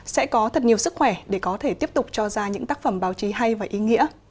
sẽ có thật nhiều sức khỏe để có thể tiếp tục cho ra những tác phẩm báo chí hay và ý nghĩa